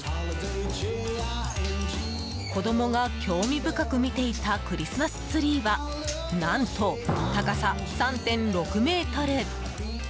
子供が興味深く見ていたクリスマスツリーは何と、高さ３．６ｍ！